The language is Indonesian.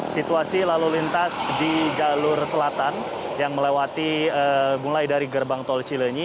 situasi lalu lintas di jalur selatan yang melewati mulai dari gerbang tol cilenyi